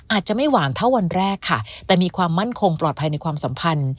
อาจจะไม่หวานเท่าวันแรกค่ะแต่มีความมั่นคงปลอดภัยในความสัมพันธ์